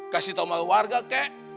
kasih tahu sama warga kek